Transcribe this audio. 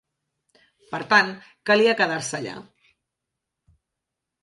Per tant, calia quedar-se allà